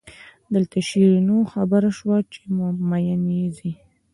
دلته شیرینو خبره شوه چې مئین یې ځي.